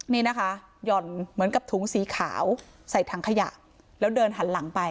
มีนะคะหย่อเหมือนกับปุ่งสีขาวสามารถแล้วเดินหันหลังไป